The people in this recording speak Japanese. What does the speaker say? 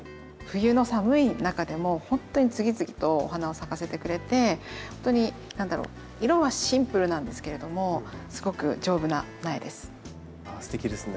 冬の寒い中でもほんとに次々とお花を咲かせてくれてほんとに何だろう色はシンプルなんですけれどもすごく丈夫な苗です。